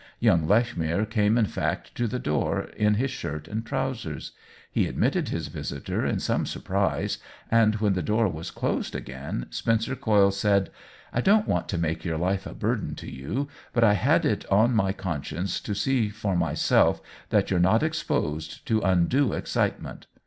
Young Lechmere came in fact to the door in his shirt and trousers. He admitted his visitor in some surprise, and when the door was closed again Spencer Coyle said :" I don't want to make your life a bur den to you, but I had it on my conscience to see for myself that you're not exposed to undue excitement."